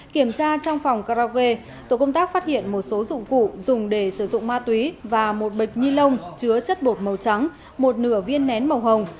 kiểm tra trong phòng karaoke tổ công tác phát hiện một số dụng cụ dùng để sử dụng ma túy và một bịch ni lông chứa chất bột màu trắng một nửa viên nén màu hồng